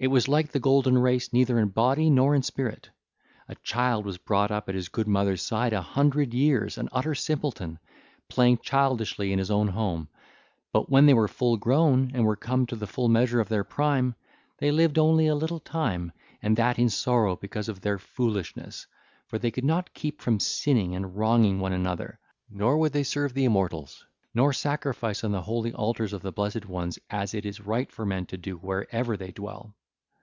It was like the golden race neither in body nor in spirit. A child was brought up at his good mother's side an hundred years, an utter simpleton, playing childishly in his own home. But when they were full grown and were come to the full measure of their prime, they lived only a little time in sorrow because of their foolishness, for they could not keep from sinning and from wronging one another, nor would they serve the immortals, nor sacrifice on the holy altars of the blessed ones as it is right for men to do wherever they dwell.